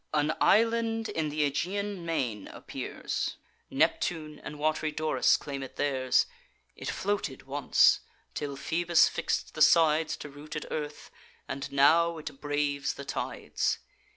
"An island in th' Aegaean main appears; Neptune and wat'ry Doris claim it theirs. It floated once, till Phoebus fix'd the sides To rooted earth, and now it braves the tides.